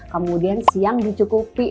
kemudian siang dicukupi